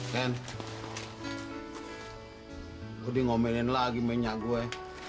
ken gue di ngomelin lagi sama nyak gue